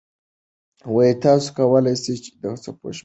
تاسو کولای سئ د څپو شمېر وشمېرئ.